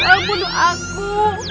jangan bunuh aku